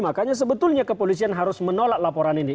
makanya sebetulnya kepolisian harus menolak laporan ini